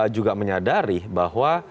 juga menyadari bahwa